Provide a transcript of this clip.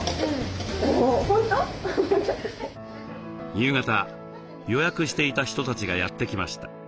夕方予約していた人たちがやって来ました。